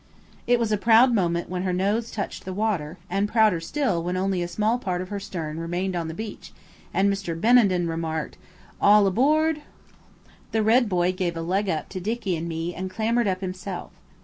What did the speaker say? It was a proud moment when her nose touched the water, and prouder still when only a small part of her stern remained on the beach and Mr. Benenden remarked– "All aboard!" The red boy gave a "leg up" to Dicky and me and clambered up himself.